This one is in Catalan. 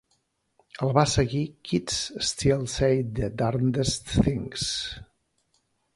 El va seguir "Kids Still Say the Darndest Things!".